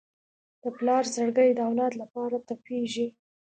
د پلار زړګی د اولاد لپاره تپېږي.